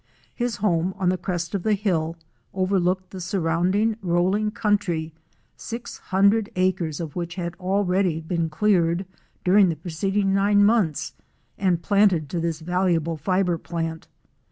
His home, on the crest of the hill, overlooked the surrounding rolling country, six hundred acres of which had already been cleared during the preceding nine months and planted in the valuable fibre plant.